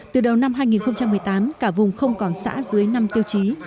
từ đầu năm hai nghìn một mươi tám cả vùng không còn xã dưới năm tiêu chí